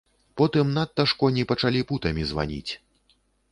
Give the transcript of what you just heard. Потым надта ж коні пачалі путамі званіць.